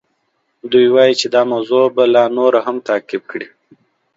دوی وایي چې دا موضوع به لا نوره هم تعقیب کړي.